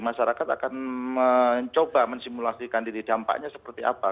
masyarakat akan mencoba mensimulasikan diri dampaknya seperti apa